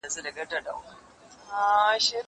زه اجازه لرم چي موبایل کار کړم!!